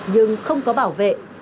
nhưng không có bảo vệ